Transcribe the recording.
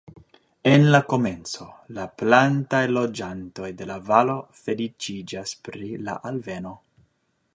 En la komenco, la plantaj loĝantoj de la valo feliĉiĝas pri la alveno.